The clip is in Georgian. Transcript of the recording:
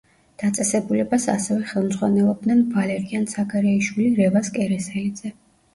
დაწესებულებას ასევე ხელმძღვანელობდნენ: ვალერიან ცაგარეიშვილი, რევაზ კერესელიძე.